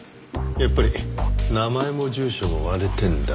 やっぱり名前も住所も割れてるんだ。